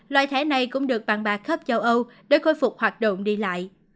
loại thẻ này cũng được bàn bà khớp châu âu để khôi phục hoạt động đi lại